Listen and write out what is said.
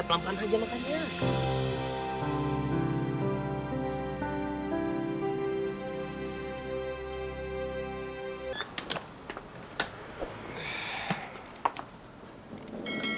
pelan pelan aja makanya